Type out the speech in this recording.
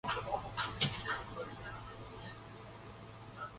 This historical context laid the foundation for English to become a global language.